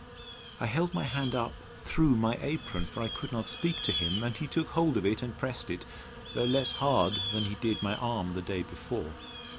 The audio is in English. I held my hand up through my apron; for I could not speak to him; and he took hold of it, and pressed it, though less hard than he did my arm the day before.